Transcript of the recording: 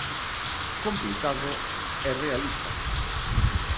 Complicado e realista.